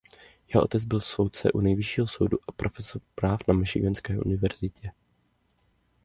Jeho otec byl soudce u nejvyššího soudu a profesor práv na Michiganské univerzitě.